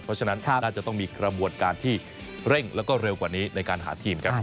เพราะฉะนั้นน่าจะต้องมีกระบวนการที่เร่งแล้วก็เร็วกว่านี้ในการหาทีมครับ